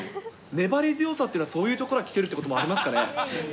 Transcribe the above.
粘り強さっていうのは、そういうところからきてるってこともありますかね？